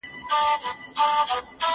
زه به سبا د درسونو يادونه وکړم..